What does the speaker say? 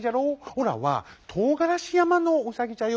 オラはとうがらしやまのウサギじゃよ。